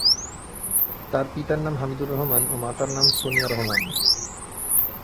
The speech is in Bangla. তার পিতার নাম হামিদুর রহমান ও মাতার নাম সোনিয়া রহমান।